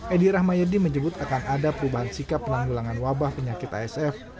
edi rahmayadi menyebut akan ada perubahan sikap penanggulangan wabah penyakit asf